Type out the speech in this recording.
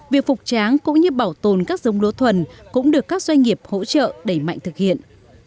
việc phục tráng cũng như bảo tồn các dông lúa thuần cũng được các doanh nghiệp hỗ trợ đẩy mạnh thực hiện